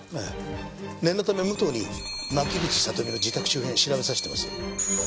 念のため武藤に牧口里美の自宅周辺を調べさせてます。